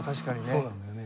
そうなんだよね。